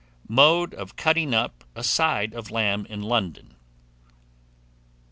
MODE OF CUTTING UP A SIDE OF LAMB IN LONDON.